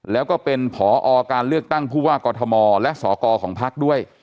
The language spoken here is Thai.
แล้วก็เป็นผอเลือกตั้งผู้ห้าก่อทลังกฎธมอศ์และศกของภักรณ์ด้วย